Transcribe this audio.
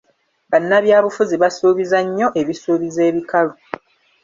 Bannabyabufuzi basuubiza nnyo ebisuubizo ebikalu.